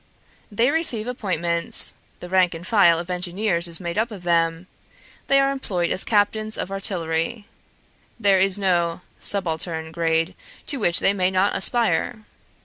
They receive appointments; the rank and file of engineers is made up of them; they are employed as captains of artillery; there is no (subaltern) grade to which they may not aspire.